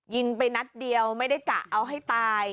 ยิงไปนัดเดียวไม่ได้กะเอาให้ตาย